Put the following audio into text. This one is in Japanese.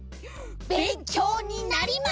べんきょうになります！